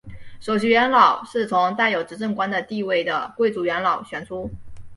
首席元老是从带有执政官的地位的贵族元老选出。